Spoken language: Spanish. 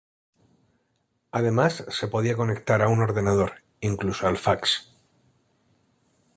Además se podía conectar a un ordenador, incluso al fax.